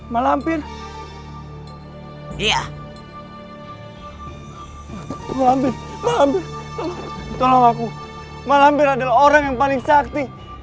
ma'amber ma'amber tolong aku ma'amber adalah orang yang paling sakti